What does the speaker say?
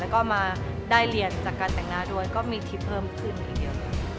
แล้วก็มาได้เรียนจากการแต่งหน้าด้วยก็มีทริปเพิ่มขึ้นอีกเยอะเลย